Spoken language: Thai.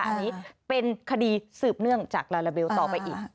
อันนี้เป็นคดีสืบเนื่องจากลาลาเบลต่อไปอีก